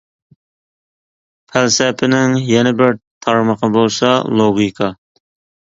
پەلسەپىنىڭ يەنە بىر تارمىقى بولسا لوگىكا.